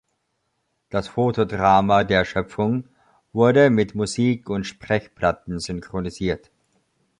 Das "Photo-Drama der Schöpfung" wurde mit Musik- und Sprechplatten synchronisiert.